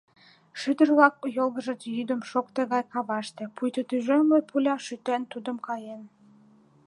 Шӱдыр-влак йолгыжыт йӱдым шокте гай каваште, пуйто тӱжемле пуля шӱтен тудым каен.